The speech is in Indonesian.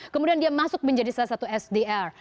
kemudian dia masuk menjadi salah satu sdr